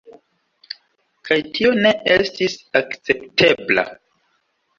Kaj tio ne estis akceptebla.